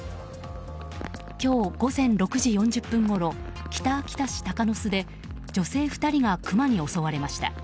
今日午前６時４０分ごろ北秋田市鷹巣で女性２人がクマに襲われました。